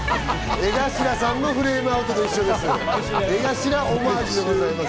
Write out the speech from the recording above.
江頭さんのフレームアウトと一緒です。